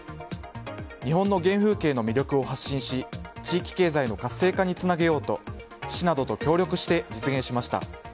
日本の原風景の魅力を発見し地域経済の活性化につなげようと市などと協力して実現しました。